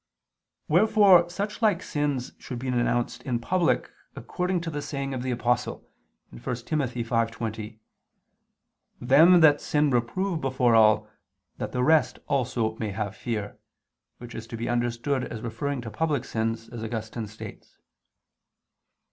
Wherefore such like sins should be denounced in public, according to the saying of the Apostle (1 Tim. 5:20): "Them that sin reprove before all, that the rest also may have fear," which is to be understood as referring to public sins, as Augustine states (De Verb.